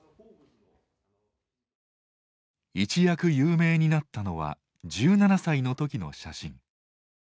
一躍有名になったのは１７歳の時の写真。